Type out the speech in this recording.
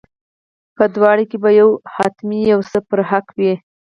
په دواړو کې به یو حتما یو څه پر حق وي.